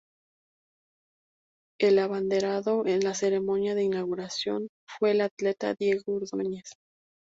El abanderado en la ceremonia de inauguración fue el atleta Diego Ordóñez.